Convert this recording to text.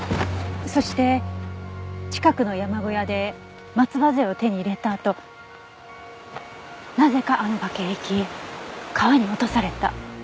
そして近くの山小屋で松葉杖を手に入れたあとなぜかあの崖へ行き川に落とされた。